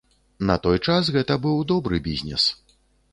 На той час гэта быў добры бізнес.